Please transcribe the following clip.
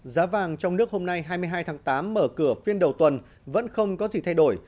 giá vàng trong nước hôm nay hai mươi hai tháng tám mở cửa phiên đầu tuần vẫn không có gì thay đổi